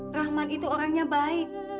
rahman itu orangnya baik